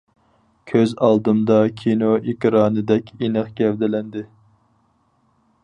كۆز ئالدىمدا كىنو ئېكرانىدەك ئېنىق گەۋدىلەندى.